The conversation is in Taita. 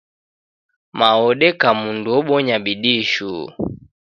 Mao odeka mundu obonya bidii shuu.